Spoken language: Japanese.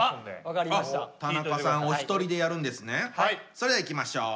それではいきましょう。